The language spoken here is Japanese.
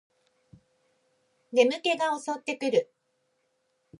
眠気が襲ってくる